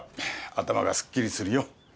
頭がすっきりするよ。